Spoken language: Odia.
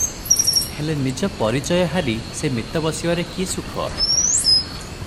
ହେଲେ ନିଜ ପରିଚୟ ହାରି ସେ ମିତ ବସିବାରେ କି ସୁଖ?